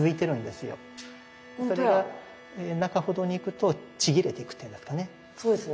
それが中ほどにいくとちぎれていくっていうんですかね。